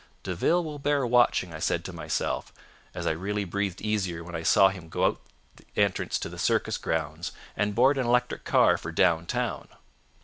"'De Ville will bear watching,' I said to myself, and I really breathed easier when I saw him go out the entrance to the circus grounds and board an electric car for down town.